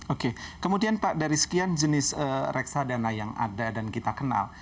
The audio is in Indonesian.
oke kemudian pak dari sekian jenis reksadana yang ada dan kita kenal